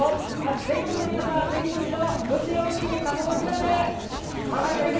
全国の皆さん、ぜひ一度ぶちおいしい笠戸ひらめ。